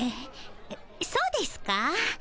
そうですか？